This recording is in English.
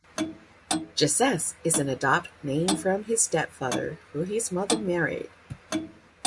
Gessesse is an adopted name from his step father who his mother married.